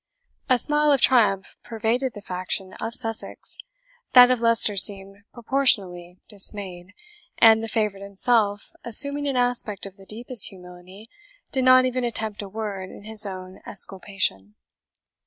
A smile of triumph pervaded the faction of Sussex; that of Leicester seemed proportionally dismayed, and the favourite himself, assuming an aspect of the deepest humility, did not even attempt a word in his own esculpation.